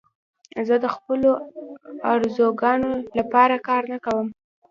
زه د خپلو آرزوګانو لپاره کار نه کوم.